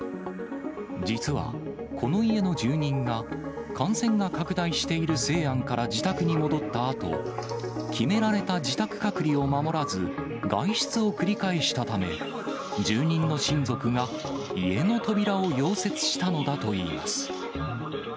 実は、この家の住人が、感染が拡大している西安から自宅に戻ったあと、決められた自宅隔離を守らず、外出を繰り返したため、住人の親族が家の扉を溶接したのだといいます。